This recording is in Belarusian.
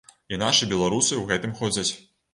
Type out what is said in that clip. І нашы беларусы у гэтым ходзяць.